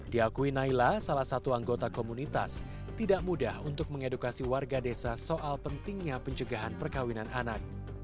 diakui naila salah satu anggota komunitas tidak mudah untuk mengedukasi warga desa soal pentingnya pencegahan perkawinan anak